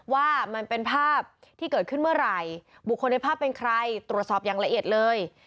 ว่ามันเป็นภาพที่เกิดขึ้นเมื่อไหร่บุคคลในภาพเป็นใครตรวจสอบอย่างละเอียดเลย